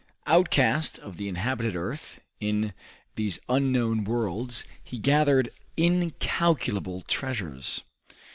Outcast of the inhabited earth in these unknown worlds he gathered incalculable treasures.